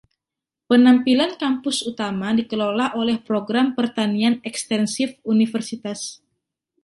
Penampilan kampus utama dikelola oleh program pertanian ekstensif universitas.